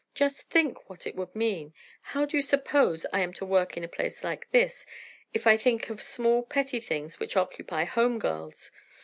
Just think what it would mean! How do you suppose I am to work in a place like this if I think of small, petty things which occupy home girls?